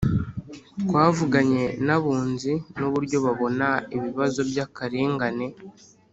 Twavuganye n’Abunzi n’uburyo babona ibibazo by’akarengane